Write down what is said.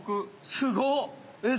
すごっ！